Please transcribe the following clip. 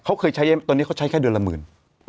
เขาเคยใช้ตอนนี้เขาใช้แค่เดือนละหมื่น